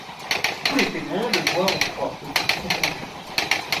Tous les témoins le voient en proie au plus profond chagrin.